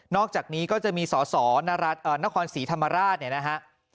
นอกจากนี้ก็จะมีสอนครศรีธรรมราช